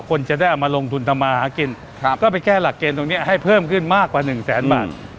คนจะได้เอามาลงทุนทำมาหากินก็ไปแก้หลักเกณฑ์ตรงนี้ให้เพิ่มขึ้นมากกว่าหนึ่งแสนบาท